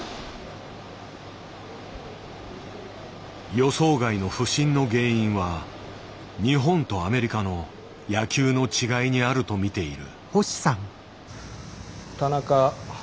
予想外の不振の原因は日本とアメリカの野球の違いにあると見ている。